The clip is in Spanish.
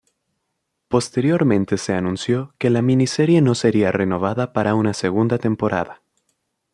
Posteriormente se anunció que la miniserie no sería renovada para una segunda temporada.